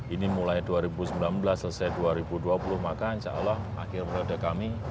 ini mulai dua ribu sembilan belas selesai dua ribu dua puluh maka insya allah akhir periode kami